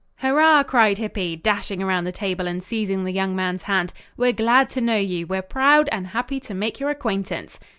"Hurrah!" cried Hippy, dashing around the table and seizing the young man's hand. "We're glad to know you. We're proud and happy to make your acquaintance."